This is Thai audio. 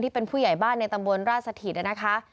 ที่เป็นผู้ใหญ่บ้านในตำบวนราชสถิตธิ์ใดนะคะ